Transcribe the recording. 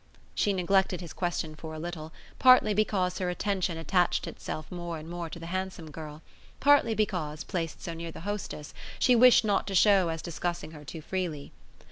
She neglected his question for a little, partly because her attention attached itself more and more to the handsome girl, partly because, placed so near their hostess, she wished not to show as discussing her too freely.